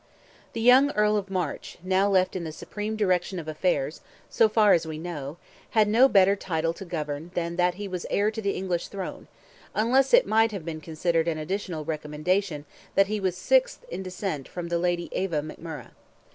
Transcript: The young Earl of March, now left in the supreme direction of affairs, so far as we know, had no better title to govern than that he was heir to the English throne, unless it may have been considered an additional recommendation that he was sixth in descent from the Lady Eva McMurrogh.